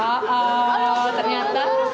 oh oh ternyata